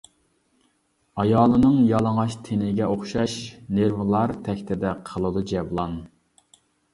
ئايالنىڭ يالىڭاچ تېنىگە ئوخشاش نېرۋىلار تەكتىدە قىلىدۇ جەۋلان.